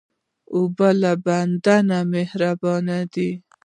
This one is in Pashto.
اوبه له بنده مهربانې دي.